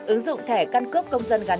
ứng dụng thẻ căn cước công dân gắn chạy